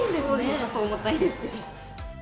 ちょっと重たいですね。